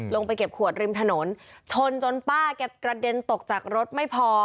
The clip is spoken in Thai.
ลงไปเก็บขวดริมถนนชนจนป้าแกกระเด็นตกจากรถไม่พอ